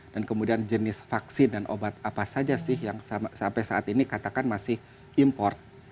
dan kemudian jenis vaksin dan obat apa saja sih yang sampai saat ini katakan masih import